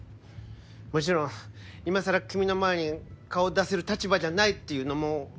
もちろんいまさら君の前に顔を出せる立場じゃないっていうのも分かってる。